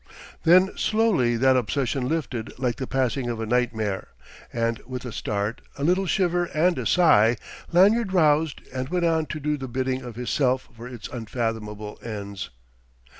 Then slowly that obsession lifted like the passing of a nightmare; and with a start, a little shiver and a sigh, Lanyard roused and went on to do the bidding of his Self for its unfathomable ends....